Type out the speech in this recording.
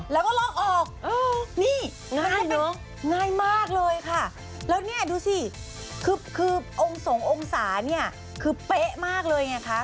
แล้วก็ลอกออกนี่ง่ายมากเลยค่ะแล้วนี่ดูสิคือองศงองศานี่คือเป๊ะมากเลยไงคะ